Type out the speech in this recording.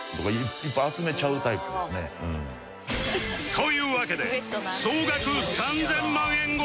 というわけで総額３０００万円超え！